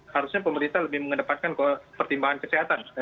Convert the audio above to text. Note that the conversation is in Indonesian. harusnya pemerintah lebih mengedepankan pertimbangan kesehatan